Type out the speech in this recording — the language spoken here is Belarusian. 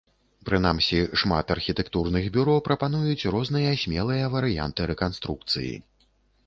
Прынамсі, шмат архітэктурных бюро прапануюць розныя смелыя варыянты рэканструкцыі.